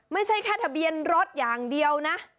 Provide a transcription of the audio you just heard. ไม่ใช่แค่ทะเบียนรถอย่างเดียวนะ